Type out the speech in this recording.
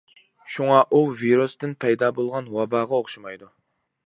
شۇڭا ئۇ ۋىرۇستىن پەيدا بولغان ۋاباغا ئوخشىمايدۇ.